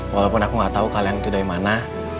walaupun aku gak tau kalian itu dari mana